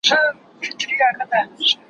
پر ها بل یې له اسمانه ټکه لوېږي